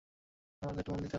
আমার কথায় একটু মন দিতে হবে।